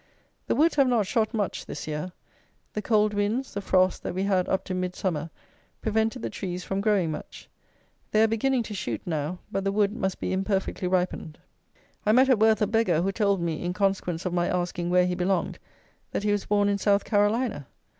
The woods have not shot much this year. The cold winds, the frosts, that we had up to Midsummer, prevented the trees from growing much. They are beginning to shoot now; but the wood must be imperfectly ripened. I met at Worth a beggar, who told me, in consequence of my asking where he belonged, that he was born in South Carolina.